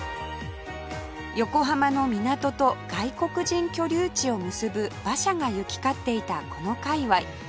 横浜の港と外国人居留地を結ぶ馬車が行き交っていたこの界隈